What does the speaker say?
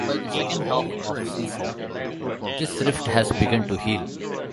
By the second half of the season, this rift has begun to heal.